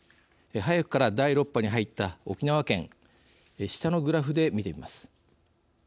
早くから第６波に入った沖縄県、下のグラフで見てみます。